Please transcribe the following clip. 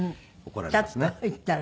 ちゃっと言ったら。